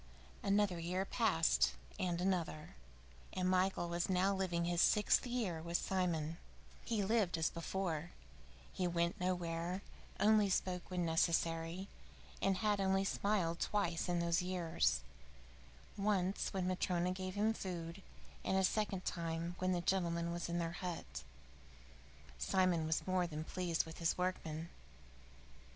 VIII Another year passed, and another, and Michael was now living his sixth year with Simon. He lived as before. He went nowhere, only spoke when necessary, and had only smiled twice in all those years once when Matryona gave him food, and a second time when the gentleman was in their hut. Simon was more than pleased with his workman.